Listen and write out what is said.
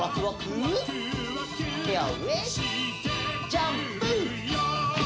ジャンプ！